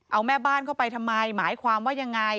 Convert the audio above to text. เอาแม่บ้านเข้าไปทำไมหมายความว่ายังไง